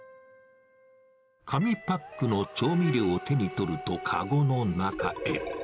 紙パックの調味料を手に取ると、籠の中へ。